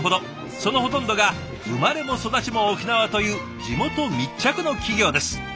そのほとんどが生まれも育ちも沖縄という地元密着の企業です。